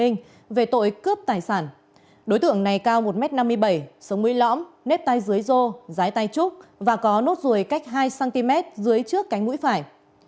nếp tay dưới rô giái tay trúc và có nốt rùi cách hai cm dưới trước cánh mũi phải